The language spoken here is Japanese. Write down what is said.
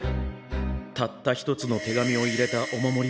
たった一つの手紙を入れたお守り袋